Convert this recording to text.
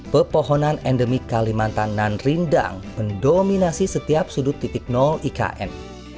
pepohonan endemik kalimantan nan rindang mendominasi setiap sudut titik nol ikn